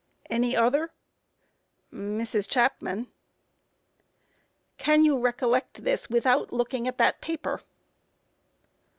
Q. Any other? A. Mrs. Chapman. Q. Can you recollect this without looking at that paper?